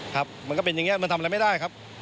ครับมันก็เป็นอย่างนี้มันทำอะไรไม่ได้ครับ